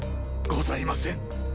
ございません。